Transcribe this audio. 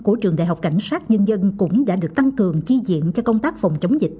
của trường đại học cảnh sát nhân dân cũng đã được tăng cường chi diện cho công tác phòng chống dịch